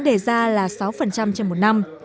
đề án đề ra là sáu trên một năm